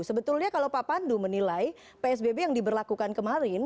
sebetulnya kalau pak pandu menilai psbb yang diberlakukan kemarin